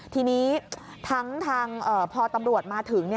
ทีนี้ทั้งพอตำรวจมาถึง